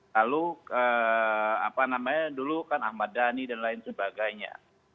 lalu apa namanya dulu kan ahmad dhani dan lain sebagainya